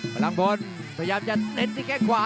พลังบนพยายามจะเน็ตที่แค่ขวา